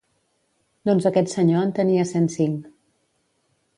Doncs aquest senyor en tenia cent cinc.